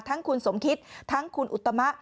ทั้งคุณสมคิตทั้งคุณอุตมะ